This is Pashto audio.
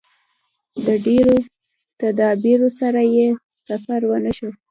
د ډېرو تدابیرو سره یې سفر ونشو.